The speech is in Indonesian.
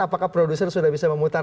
apakah produser sudah bisa memutar